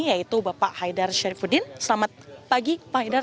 yaitu bapak haidar syarifudin selamat pagi pak haidar